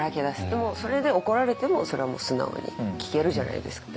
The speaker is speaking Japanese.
でもそれで怒られてもそれはもう素直に聞けるじゃないですか。